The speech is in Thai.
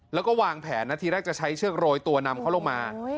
แล้วก็วางแผนนาทีแรกจะใช้เชือกโรยตัวนำเขาลงมา